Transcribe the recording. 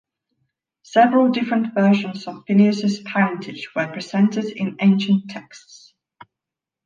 Several different versions of Phineus's parentage were presented in ancient texts.